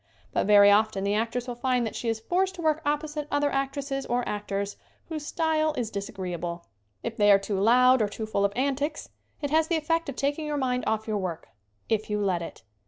But very often the actress will find that she is forced to work opposite other actresses or actors whose style is disagreeable. If they are too loud or too full of antics it has the effect of taking your mind off your work if you let it!